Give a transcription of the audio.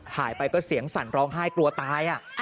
ถ่ายไปก็เสียงสั่นร้องไห้กลัวตาย